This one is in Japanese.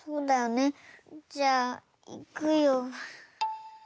じゃあいくよ。